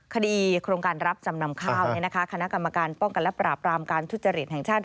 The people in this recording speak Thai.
โครงการรับจำนำข้าวคณะกรรมการป้องกันและปราบรามการทุจริตแห่งชาติ